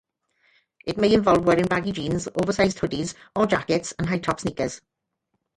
It may involve wearing baggy jeans, oversized hoodies or jackets, and high-top sneakers.